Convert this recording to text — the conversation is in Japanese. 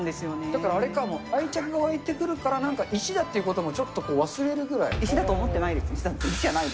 だからあれか、もう愛着が湧いてくるからなんか石だってこともちょっとこう、石だと思ってないです。